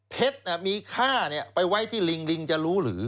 มีค่าไปไว้ที่ลิงลิงจะรู้หรือ